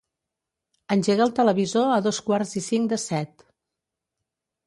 Engega el televisor a dos quarts i cinc de set.